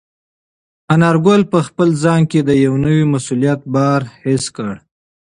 انارګل په خپل ځان کې د یو نوي مسولیت بار حس کړ.